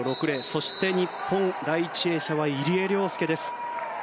そして日本、第１泳者は入江陵介です。